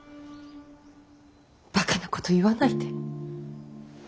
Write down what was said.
ばかなこと言わないで。